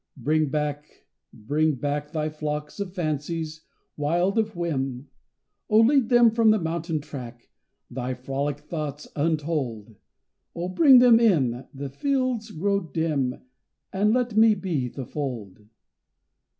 Bring back, bring back Thy flocks of fancies, wild of whim. Oh lead them from the mountain track Thy frolic thoughts untold. Oh bring them in the fields grow dim And let me be the fold.